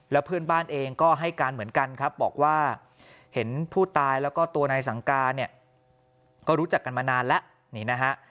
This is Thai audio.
แล้วเพื่อนบ้านเองก็ให้การเหมือนกันครับบอกว่าเห็นผู้ตายแล้วก็ตัวนายสังกาเนี่ยก็รู้จักกันมานานแล้วนี่นะฮะ